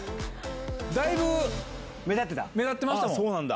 だいぶ目立ってましたもん。